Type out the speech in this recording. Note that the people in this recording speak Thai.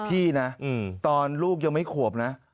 พี่นะตอนลูกยังไม่ขวบนะ